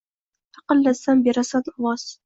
Taqillatsam berasan ovoz